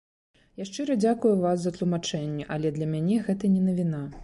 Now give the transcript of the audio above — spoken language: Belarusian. Я шчыра дзякую вас за тлумачэнні, але для мяне гэта не навіна.